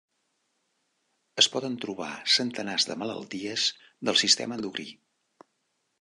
Es poden trobar centenars de malalties del sistema endocrí.